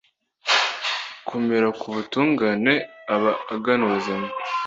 Ukomera ku butungane aba agana ubuzima